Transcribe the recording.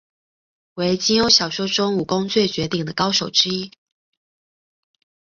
为金庸小说中武功最绝顶的高手之一。